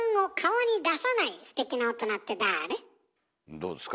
どうですか？